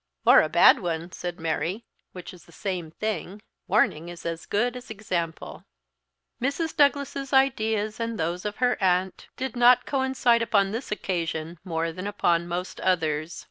"Or a bad one," said Mary, "which is the same thing. Warning is as good as example." Mrs. Douglas's ideas and those of her aunt, did not coincide upon this occasion more than upon most others.